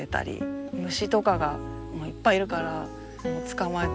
虫とかがいっぱいいるから捕まえて。